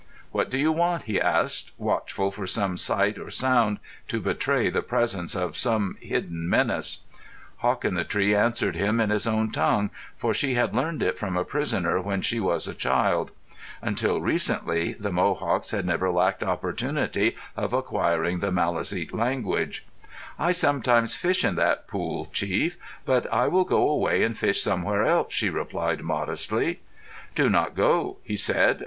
"What do you want?" he asked, watchful for some sight or sound to betray the presence of some hidden menace. Hawk in the Tree answered him in his own tongue, for she had learned it from a prisoner when she was a child. Until recently, the Mohawks had never lacked opportunity of acquiring the Maliseet language. "I sometimes fish in that pool, chief. But I will go away and fish somewhere else," she replied, modestly. "Do not go," he said.